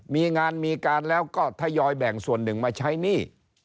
มีงานมีการแล้วก็ทยอยแบ่งส่วนหนึ่งมาใช้หนี้